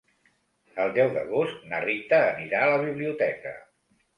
El deu d'agost na Rita anirà a la biblioteca.